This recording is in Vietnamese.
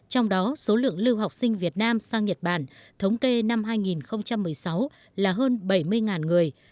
trong đó số lượng lưu học sinh việt nam sang nhật bản thống kê năm hai nghìn một mươi sáu là hơn bảy mươi người